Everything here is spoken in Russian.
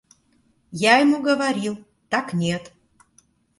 Я ему говорил, так нет.